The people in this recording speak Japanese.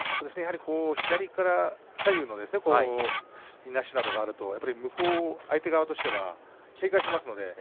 左から左右へのいなしなどがあると相手側としては警戒しますからね。